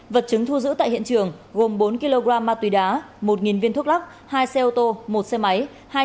vật chứng thu giữ tại hiện trường gồm bốn kg ma túy đá một viên thuốc lắc hai xe ô tô một xe máy